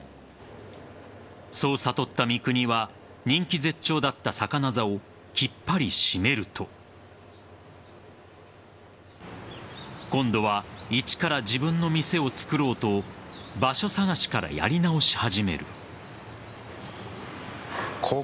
そう悟った三國は人気絶頂だったサカナザをきっぱり閉めると今度は１から自分の店を作ろうと場所探しからやり直し始める。